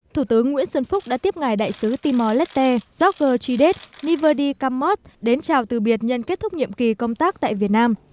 thủ tướng nguyễn xuân phúc đã tiếp ngài đại sứ timor leste georger chide niverdi kamos đến chào từ biệt nhân kết thúc nhiệm kỳ công tác tại việt nam